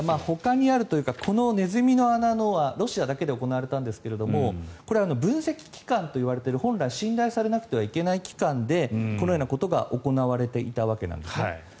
ほかにあるというかこのネズミの穴のはロシアだけで行われたんですがこれ、分析機関といわれている本来信頼されなくてはいけない機関でこのようなことが行われていたわけなんですね。